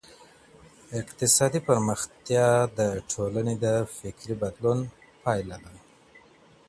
اقتصادي پرمختيا د ټولني د فکري بدلون پايله ده.